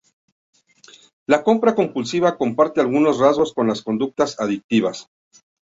La compra compulsiva comparte algunos rasgos con las conductas adictivas.